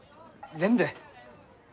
全部？